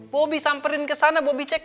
bobi samperin ke sana bobi cek